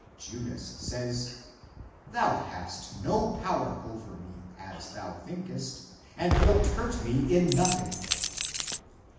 Judas says, " Thou hast no power over me, as thou thinkest, and wilt hurt me in nothing."